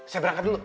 saya berangkat dulu